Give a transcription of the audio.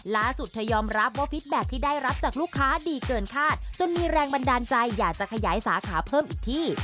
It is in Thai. เธอยอมรับว่าพิษแบบที่ได้รับจากลูกค้าดีเกินคาดจนมีแรงบันดาลใจอยากจะขยายสาขาเพิ่มอีกที่